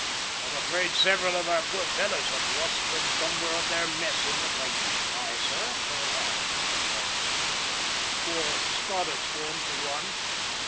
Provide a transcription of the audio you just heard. I'm afraid several of our poor fellows have lost the number of their mess in the fight." "Aye, sir, they have," replied Mr Fosset. "Poor Stoddart's gone, for one!"